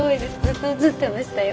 ずっと映ってましたよ。